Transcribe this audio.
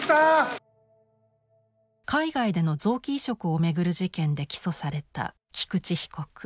海外での臓器移植を巡る事件で起訴された菊池被告。